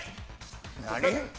何？